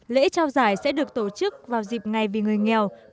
lễ trao giải sẽ được tổ chức vào dịp ngày vì người nghèo